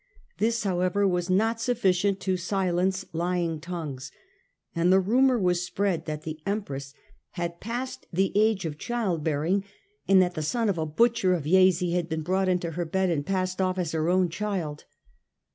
This, however, was not sufficient to silence lying tongues, and the rumour was spread that the Empress had passed 24 THE CHILD OF MOTHER CHURCH 25 the age of child bearing and that the son of a butcher of Jesi had been brought into her bed and passed off as her own child.